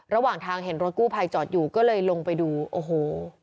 ระหว่างทางเห็นรถกู้ภัยจอดอยู่ก็เลยลงไปดูโอ้โห